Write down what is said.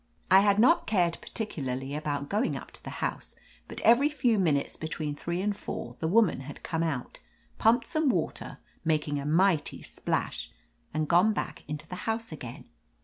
I had not cared particularly about going up to the house, but every few minutes between three and four the woman had come out, pumped some water, making a mighty splash, and gone back into the house again.